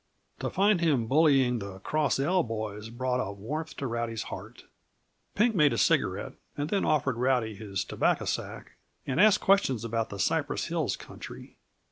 To find him bullying the Cross L boys brought a warmth to Rowdy's heart. Pink made a cigarette, and then offered Rowdy his tobacco sack, and asked questions about the Cypress Hills country.